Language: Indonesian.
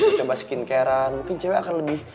lu coba skin carean mungkin cewe akan lebih